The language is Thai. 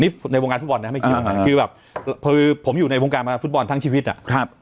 นี่ในวงงานฟุตบอลนะครับไม่กี่วงงานคือแบบผมอยู่ในวงงานฟุตบอลทั้งชีวิตอ่ะ